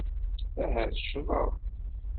Ahat ccḍeɣ.